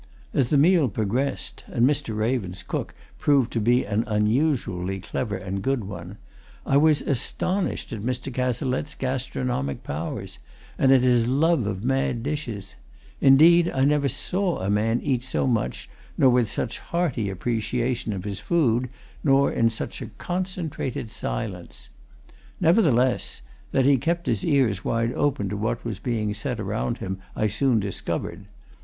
As the meal progressed (and Mr. Raven's cook proved to be an unusually clever and good one) I was astonished at Mr. Cazalette's gastronomic powers and at his love of mad dishes: indeed, I never saw a man eat so much, nor with such hearty appreciation of his food, nor in such a concentrated silence. Nevertheless, that he kept his ears wide open to what was being said around him, I soon discovered.